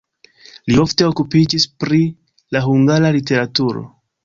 Li ofte okupiĝis pri la hungara literaturo.